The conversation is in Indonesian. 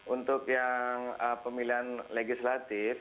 untuk yang pemilihan legislatif